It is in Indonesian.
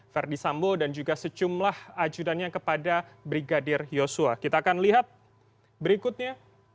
verdi sambo dan juga sejumlah ajudannya kepada brigadir yosua kita akan lihat berikutnya